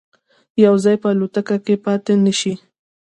یو ځای به الوتکه کې پاتې نه شي.